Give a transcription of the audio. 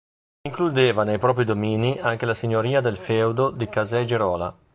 Includeva nei propri domini anche la signoria del feudo di Casei Gerola.